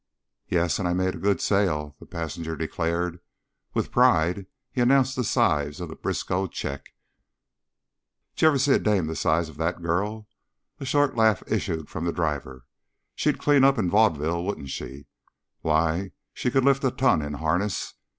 "Yes. And I made a good sale," the passenger declared. With pride he announced the size of the Briskow check. "J'ever see a dame the size of that gal?" A short laugh issued from the driver. "She'd clean up in vaudeville, wouldn't she? Why, she could lift a ton, in harness.